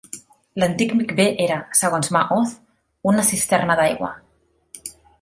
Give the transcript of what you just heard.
L'antic micvé era, segons Ma'oz', una cisterna d'aigua.